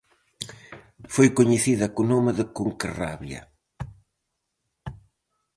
Foi coñecida co nome de Conquerabia.